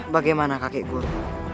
bagaimana kakek guru